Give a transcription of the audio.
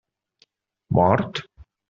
Mort?